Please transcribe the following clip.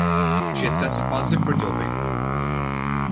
She has tested positive for doping.